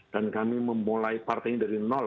dan kami memulai partai ini dari nol